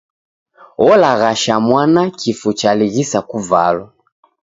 Olaghasha mwana kifu chalighisa kuvalwa.